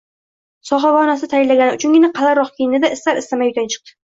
Sohiba onasi tayinlagani uchungina qalinroq kiyindi-da, istar-istamay uydan chiqdi